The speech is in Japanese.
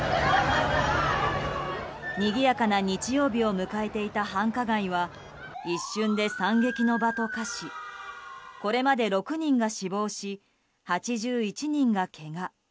にぎやかな日曜日を迎えていた繁華街は一瞬で惨劇の場と化しこれまで６人が死亡し８１人がけが。